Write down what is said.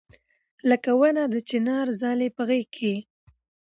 لکه ونه د چنار ځالې په غېږ کې